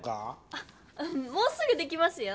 あもうすぐできますよ。